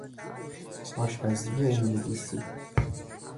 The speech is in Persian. آشپزی انگلیسی